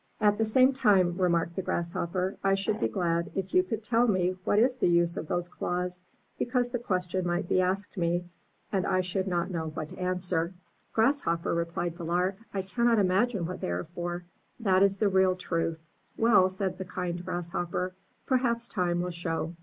"At the same time," remarked the Grasshopper, "I should be glad if you could tell me what is the use of those claws, because the question might be asked me, and I should not know what to answer." 362 UP ONE PAIR OF STAIRS iti 'Grasshopper," replied the Lark, ''I cannot imagine what they are for — that is the real truth/' ''Well,'' said the kind Grasshopper, ''perhaps time will show."